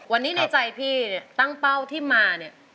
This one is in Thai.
วันนี้ในใจพี่ตั้งเป้าที่มา